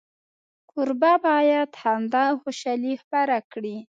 کوربه باید خندا او خوشالي خپره کړي.